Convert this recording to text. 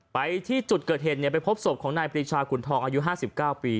ไปที่จุดเกิดเหตุไปพบศพของนายปรีชาขุนทองอายุ๕๙ปี